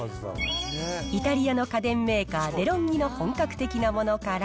イタリアの家電メーカー、デロンギの本格的なものから、